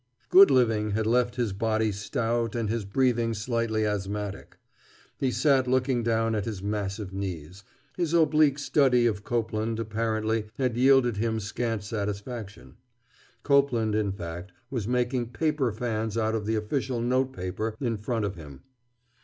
Good living had left his body stout and his breathing slightly asthmatic. He sat looking down at his massive knees; his oblique study of Copeland, apparently, had yielded him scant satisfaction. Copeland, in fact, was making paper fans out of the official note paper in front of him.